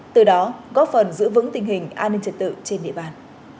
từ đó góp phần giữ vững tình hình an ninh trật tự trên địa bàn